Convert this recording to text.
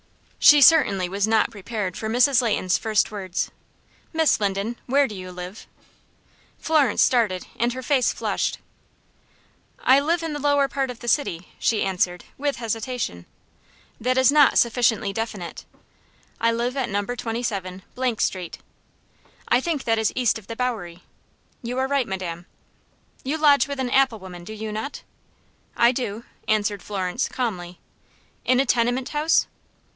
She certainly was not prepared for Mrs. Leighton's first words: "Miss Linden, where do you live?" Florence started, and her face flushed. "I live in the lower part of the city," she answered, with hesitation. "That is not sufficiently definite." "I live at No. 27 Street." "I think that is east of the Bowery." "You are right, madam." "You lodge with an apple woman, do you not?" "I do," answered Florence, calmly. "In a tenement house?"